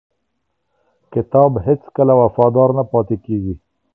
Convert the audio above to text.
کتاب هیڅکله وفادار نه پاتې کېږي.